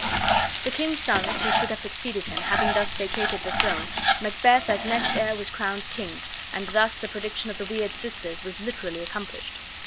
The king's sons, who should have succeeded him, having thus vacated the throne, Macbeth as next heir was crowned king, and thus the prediction of the weird sisters was literally accomplished.